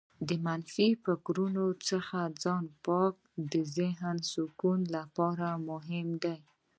د منفي فکرونو څخه ځان پاکول د ذهنې سکون لپاره مهم دي.